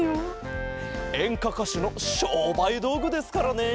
えんかかしゅのしょうばいどうぐですからね。